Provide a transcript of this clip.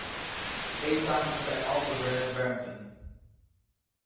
A. Symonds and also Bernard Berenson.